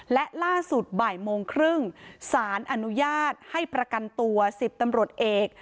และล่าสุดบ่ายโมงครึ่งสารอนุญาตให้ประกันตัว๑๐ตำรวจเอก